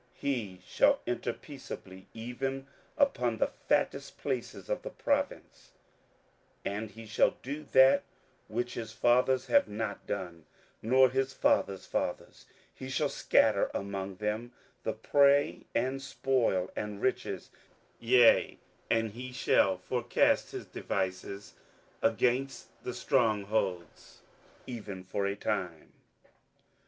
27:011:024 He shall enter peaceably even upon the fattest places of the province; and he shall do that which his fathers have not done, nor his fathers' fathers; he shall scatter among them the prey, and spoil, and riches: yea, and he shall forecast his devices against the strong holds, even for a time.